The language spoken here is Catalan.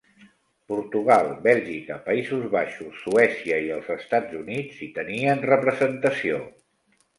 Portugal, Bèlgica, Països Baixos, Suècia, i els Estats Units hi tenien representació.